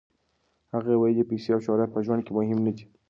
هغې ویلي، پیسې او شهرت په ژوند کې مهم نه دي.